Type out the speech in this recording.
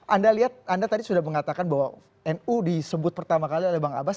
anda lihat anda tadi sudah mengatakan bahwa nu disebut pertama kali oleh bang abbas